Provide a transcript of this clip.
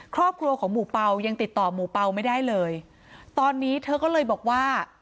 ครอบครัวของหมู่เปล่ายังติดต่อหมู่เปล่าไม่ได้เลยตอนนี้เธอก็เลยบอกว่า